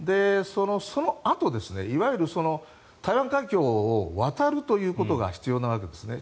そのあと、いわゆる台湾海峡を渡るということが必要なわけですね